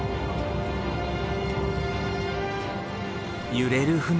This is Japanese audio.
揺れる船。